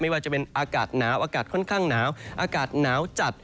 ว่าจะเป็นอากาศหนาวอากาศค่อนข้างหนาวอากาศหนาวจัด